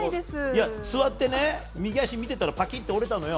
座って、右足を見てたらパキッと折れたのよ。